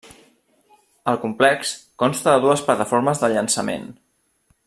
El complex consta de dues plataformes de llançament.